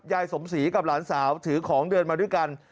ยายสมศรีกับหลานสาวถือของเดินมาด้วยกัน